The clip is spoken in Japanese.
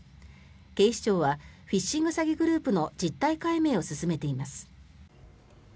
警視庁はフィッシング詐欺グループの実態解明を進めています。